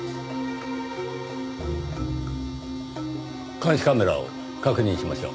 監視カメラを確認しましょう。